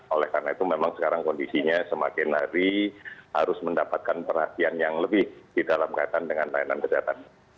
oleh karena itu memang sekarang kondisinya semakin hari harus mendapatkan perhatian yang lebih di dalam kaitan dengan layanan kesehatan